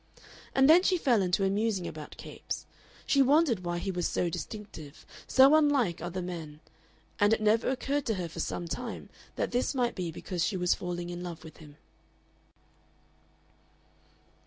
And then she fell into a musing about Capes. She wondered why he was so distinctive, so unlike other men, and it never occurred to her for some time that this might be because she was falling in love with him.